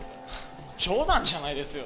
冗談じゃないですよ。